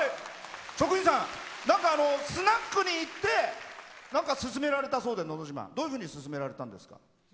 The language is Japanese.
職員さん、スナックに行って勧められたそうで「のど自慢」、どういうふうに勧められたんですか？